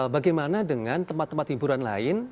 bagaimana dengan tempat tempat hiburan lain